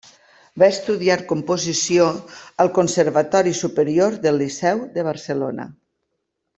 Va estudiar composició al Conservatori Superior del Liceu de Barcelona.